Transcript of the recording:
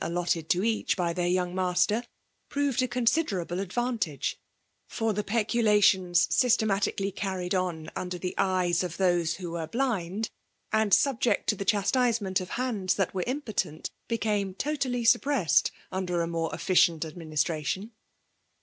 . 317 sioii allotted to each by their young master, proved a considerable advantage; for the peculations systematically carried on, under the eyes of those who were blind, and subject to the chastisement of hands that were impo tent, became totally suppressed under a more efficient administration.